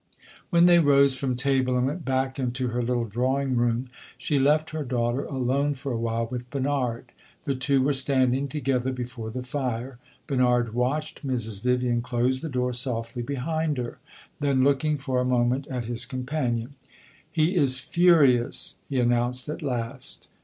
When they rose from table and went back into her little drawing room, she left her daughter alone for awhile with Bernard. The two were standing together before the fire; Bernard watched Mrs. Vivian close the door softly behind her. Then, looking for a moment at his companion "He is furious!" he announced at last.